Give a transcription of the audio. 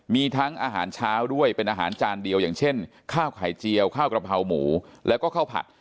มีทั้งอาหารเช้าด้วยเป็นอาหารจานเดียวอย่างเช่นข้าวไข่เจียวข้าวกระเพราหมูแล้วก็ข้าวผัด